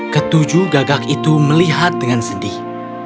ketujuh gagak itu melihat dengan sedih